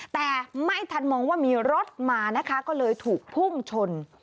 แต่ไม่ทันมองว่ามีรถมานะคะก็เลยถูกพุ่งชน